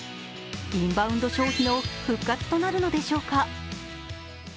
インバウンド消費の復活となるのでしょうか。